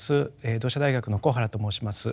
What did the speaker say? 同志社大学の小原と申します。